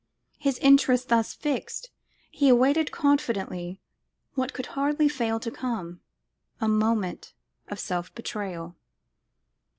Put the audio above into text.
His interest thus fixed, he awaited confidently what could hardly fail to come, a moment of self betrayal.